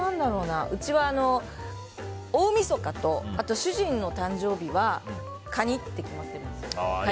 うちは、大みそかと主人の誕生日はカニを食べるって決まってるんですよ。